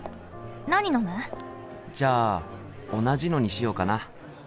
何飲む？じゃあ同じのにしようかな。